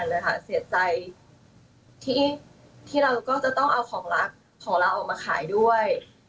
เลยค่ะเสียใจที่เราก็จะต้องเอาของรักของเราออกมาขายด้วย